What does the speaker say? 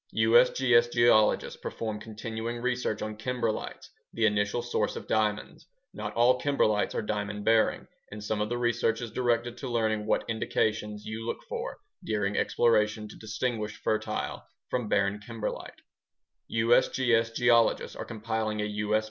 USGS geologists perform continuing research on kimberlites, the initial source of diamonds. Not all kimberlites are diamond bearing, and some of the research is directed to learning what indications you look for during exploration to distinguish fertile from barren kimberlite. USGS geologists are compiling a U.S.